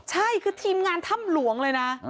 ใช่คือทีมงานถ้ำหลวงเลยนะ